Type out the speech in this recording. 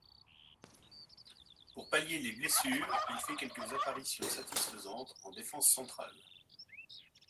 Pour pallier les blessures, il fait quelques apparitions satisfaisantes en défense centrale.